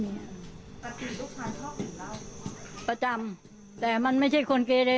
ประทิคลุกภัณฑ์ชอบจริงเหล้าประจำแต่มันไม่ใช่คนเกรเร